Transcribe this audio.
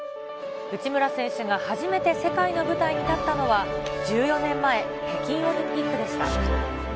内村選手が初めて世界の舞台に立ったのは、１４年前、北京オリンピックでした。